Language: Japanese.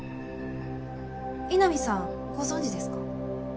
井波さんご存じですか？